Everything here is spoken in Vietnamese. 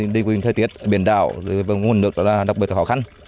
đi qua thời tiết biển đảo nguồn nước đó là đặc biệt khó khăn